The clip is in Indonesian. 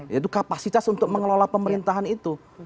yaitu kapasitas untuk mengelola pemerintahan itu